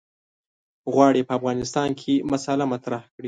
غواړي په افغانستان کې مسأله مطرح کړي.